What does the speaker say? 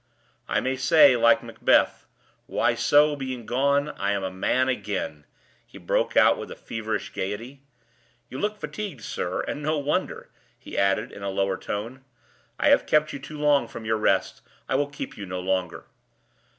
"I may say, like Macbeth: 'Why, so, being gone, I am a man again!'" he broke out with a feverish gayety. "You look fatigued, sir; and no wonder," he added, in a lower tone. "I have kept you too long from your rest I will keep you no longer.